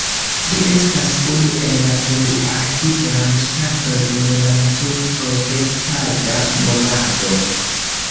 Ĝi estas unu el la plej aktivaj ŝtatoj en la natur-protektada movado.